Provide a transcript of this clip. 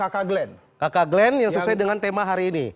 kakak glen yang sesuai dengan tema hari ini